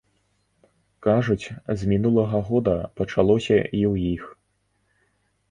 Кажуць, з мінулага года пачалося і ў іх.